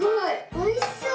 「おいしそう」。